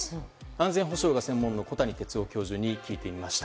安全保障が専門の小谷哲男教授に聞いてみました。